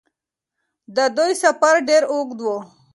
د دوی سفر ډېر اوږد و.